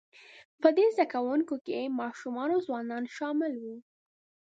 په دې زده کوونکو کې ماشومان او ځوانان شامل وو،